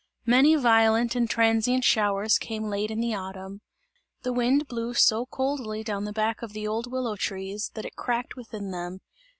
Many violent and transient showers came late in the autumn; the wind blew so coldly down the back of the old willow trees, that it cracked within them.